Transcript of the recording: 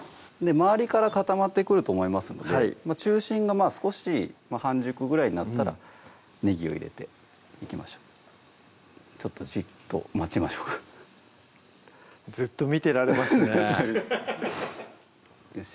周りから固まってくると思いますので中心が少し半熟ぐらいになったらねぎを入れていきましょうちょっとじっと待ちましょうかずっと見てられますねフフフフッ